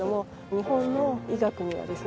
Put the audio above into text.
日本の医学にはですね